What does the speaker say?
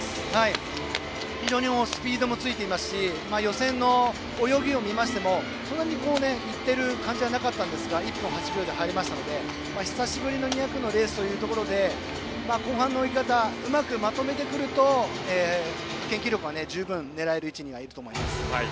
非常にスピードもついていますし予選の泳ぎを見ましてもそんなにいっている感じはなかったんですが１分８秒で入れましたので久しぶりの２００のレースということで後半の泳ぎ方をうまくまとめてくると派遣記録は十分狙える位置にいると思います。